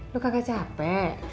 lo kagak capek